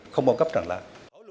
không bao cấp tràn lạc